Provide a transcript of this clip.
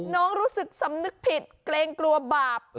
รู้สึกสำนึกผิดเกรงกลัวบาป